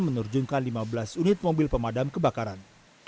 menerjunkan lima belas unit mobil pemadam kebakaran